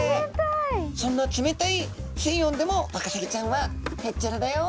そんな冷たい水温でもワカサギちゃんはへっちゃらだよ